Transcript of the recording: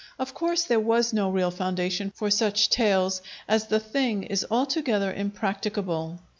Of course, there was no real foundation for such tales, as the thing is altogether impracticable.